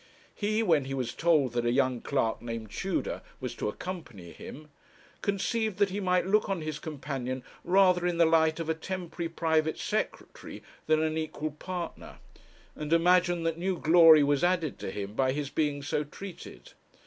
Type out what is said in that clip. He, when he was told that a young clerk named Tudor was to accompany him, conceived that he might look on his companion rather in the light of a temporary private secretary than an equal partner, and imagined that new glory was added to him by his being so treated.